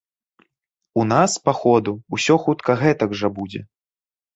У нас, па ходу, усё хутка гэтак жа будзе.